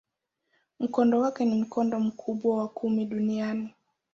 Mkondo wake ni mkondo mkubwa wa kumi duniani.